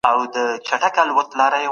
د کجورې خوړل بدن ته قوت ورکوي.